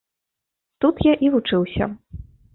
Тут я і вучыўся.